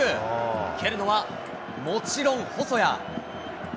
蹴るのはもちろん細谷。